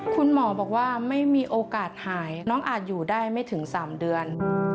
คุณหมอบอกว่าไม่มีโอกาสหายน้องอาจอยู่ได้ไม่ถึง๓เดือน